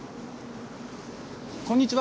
こんにちは！